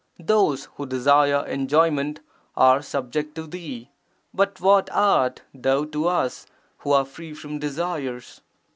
Those who desire enjoyment are subject to thee, but what art thou to us who are free from desires?